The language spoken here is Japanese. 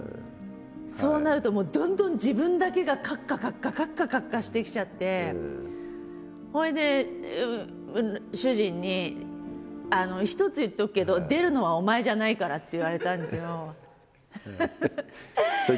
そうなるとどんどん自分だけがカッカカッカカッカカッカしてきちゃってそれで主人に「一つ言っとくけど出るのはお前じゃないから」って言われたんですよ。